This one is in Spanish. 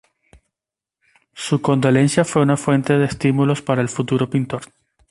Su adolescencia fue una fuente de estímulos para el futuro pintor.